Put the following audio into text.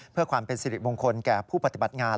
เพื่อความเป็นสิริมงคลแก่ผู้ปฏิบัติงาน